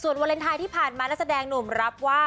วาเลนไทยที่ผ่านมานักแสดงหนุ่มรับว่า